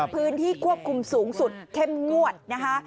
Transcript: พื้นที่ควบคุมสูงสุดเข้มงวดนะคะ